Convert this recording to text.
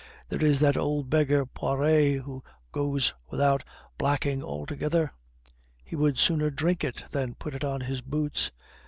There is that old beggar Poiret, who goes without blacking altogether; he would sooner drink it than put it on his boots.